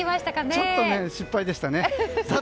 ちょっと失敗でしたね。